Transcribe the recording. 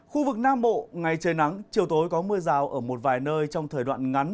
khu vực nam bộ ngày trời nắng chiều tối có mưa rào ở một vài nơi trong thời đoạn ngắn